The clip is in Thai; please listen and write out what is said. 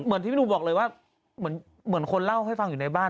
ที่พี่หนุ่มบอกเลยว่าเหมือนคนเล่าให้ฟังอยู่ในบ้าน